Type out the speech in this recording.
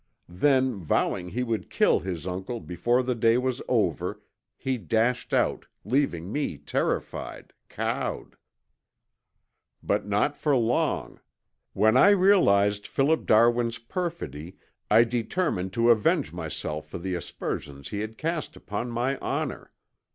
Then vowing he would kill his uncle before the day was over, he dashed out, leaving me terrified, cowed. "But not for long. When I realized Philip Darwin's perfidy I determined to avenge myself for the aspersions he had cast upon my honor.